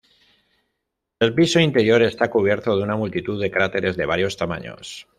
El piso interior está cubierto de una multitud de cráteres de varios tamaños.